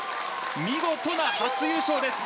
見事な初優勝です。